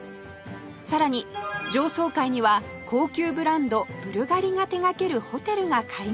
さらに上層階には高級ブランドブルガリが手掛けるホテルが開業予定